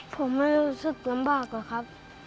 ผมไม่รู้สึกลำบากหรอกครับ